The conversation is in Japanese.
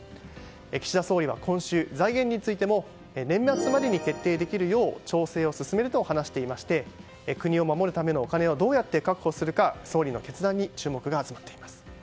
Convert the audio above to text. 岸田総理は今週、財源についても年末までに決定できるよう調整を進めると話していまして国を守るためのお金をどうやって確保するか総理の決断に注目が集まっています。